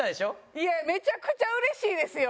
いやめちゃくちゃ嬉しいですよ！